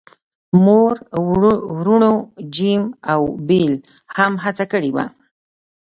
مور وروڼو جیم او بیل هم هڅه کړې وه